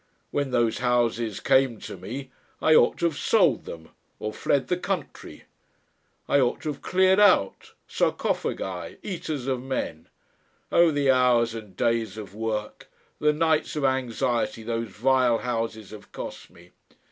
When those houses came to me, I ought to have sold them or fled the country. I ought to have cleared out. Sarcophagi eaters of men! Oh! the hours and days of work, the nights of anxiety those vile houses have cost me!